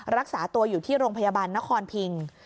รักษาตัวอยู่ที่โรงพยาบาลนครพิง